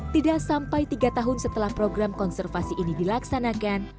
tidak sampai tiga tahun setelah program konservasi ini dilaksanakan